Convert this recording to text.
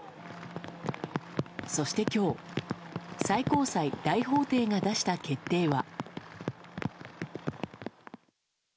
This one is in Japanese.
そして今日、最高裁大法廷が出した決定は。